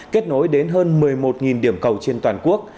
kết nối đến hơn một mươi một điểm cầu trên toàn quốc